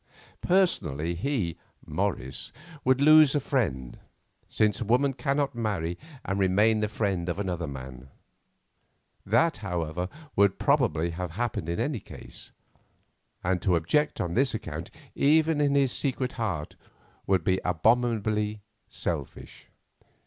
Personally he, Morris, would lose a friend, since a woman cannot marry and remain the friend of another man. That, however, would probably have happened in any case, and to object on this account, even in his secret heart, would be abominably selfish.